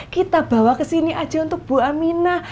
kita bawa ke sini aja untuk bu aminah